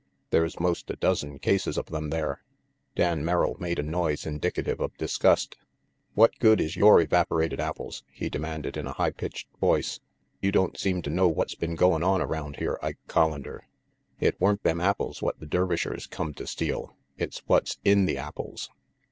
There's most a dozen cases of them there Dan Merrill made a noise indicative of disgust. "What good is yore evaporated apples?" he demanded in a high pitched voice. "You don't seem RANGY PETE to know what's been goin' on around here, Ike Collander. It weren't them apples what the Der vishers come to steal; it's what's in the apples."